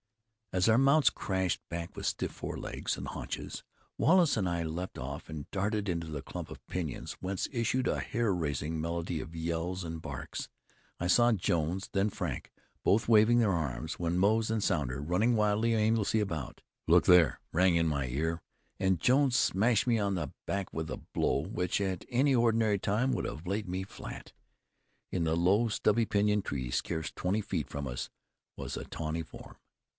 As our mounts crashed back with stiff forelegs and haunches, Wallace and I leaped off and darted into the clump of pinyons, whence issued a hair raising medley of yells and barks. I saw Jones, then Frank, both waving their arms, then Moze and Sounder running wildly, airlessly about. "Look there!" rang in my ear, and Jones smashed me on the back with a blow, which at any ordinary time would have laid me flat. In a low, stubby pinyon tree, scarce twenty feet from us, was a tawny form.